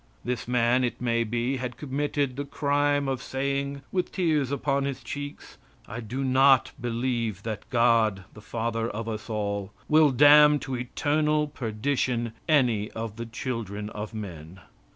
This man, it may be, had committed the crime of saying, with tears upon his cheeks, "I do not believe that God, the father of us all, will damn to eternal perdition any of the children of men."